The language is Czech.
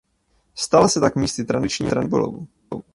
Stala se tak místy tradičního rybolovu.